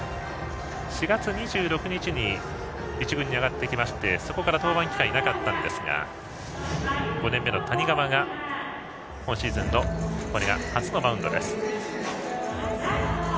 ４月２６日に１軍に上がりましてそこから登板機会はなかったんですが５年目の谷川が今シーズン初のマウンドです。